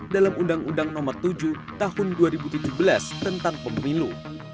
dalam undang undang nomor tujuh tahun dua ribu tujuh belas tentang pemilu